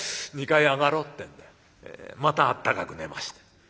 ２階へ上がろう」ってんでまたあったかく寝ました。